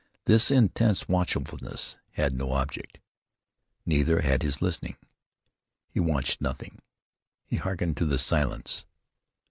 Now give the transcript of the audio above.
This intense watchfulness had no object, neither had his listening. He watched nothing; he hearkened to the silence.